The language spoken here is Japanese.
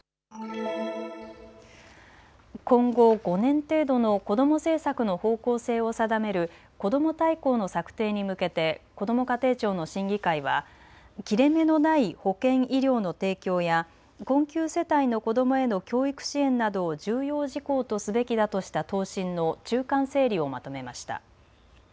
今後５年程度のこども政策の方向性を定めるこども大綱の策定に向けてこども家庭庁の審議会は切れ目のない保健・医療の提供や困窮世帯の子どもへの教育支援などを重要事項とすべきだとした答申の中間整理をまとめました。